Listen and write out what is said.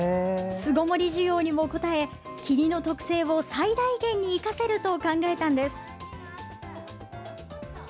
巣ごもり需要にも応え桐の特性を最大限に生かせると考えたのです。